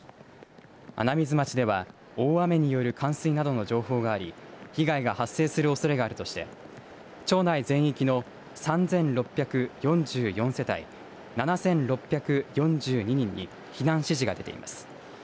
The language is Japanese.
穴水町では大雨による冠水などの情報があり被害が発生するおそれがあるとして町内全域の３６４４世帯７６４２人に避難指示が出ています。